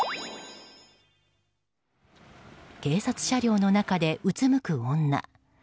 警察車両の中でうつむく女。